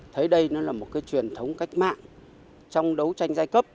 thấy đây nó là một cái truyền thống cách mạng trong đấu tranh giai cấp